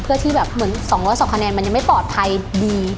เพื่อที่แบบเหมือน๒๐๒คะแนนมันยังไม่ปลอดภัยดี